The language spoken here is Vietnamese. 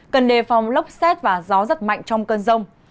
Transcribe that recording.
cần đề phòng lốc xét và gió giật mạnh trong cơn rông